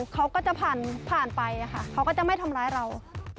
เขาก็จะผ่านไปค่ะเขาก็จะไม่ทำร้ายเรา